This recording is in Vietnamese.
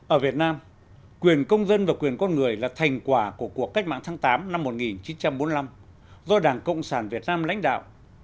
ở việt nam quyền công dân và quyền con người là thành quả của cuộc cách mạng tháng tám năm một nghìn chín trăm bốn mươi năm do đảng cộng sản việt nam lãnh đạo